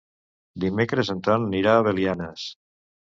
Dimecres en Ton anirà a Belianes.